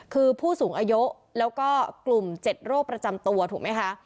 คือผู้สูงอายุแล้วก็กลุ่ม๗โรคประจำตัวถูกไหมคะ